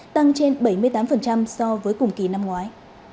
tăng trên bảy mươi tám so với cùng kỳ năm ngoái